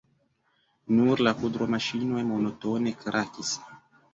Nur la kudromaŝinoj monotone krakis.